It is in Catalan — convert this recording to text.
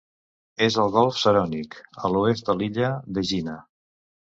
És al golf Sarònic, a l'oest de l'illa d'Egina.